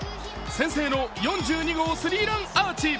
先制の４２号スリーランアーチ。